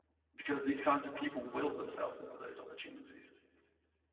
Because these kinds of people will themselves into those opportunities.